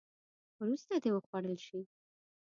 وروسته دې وخوړل شي.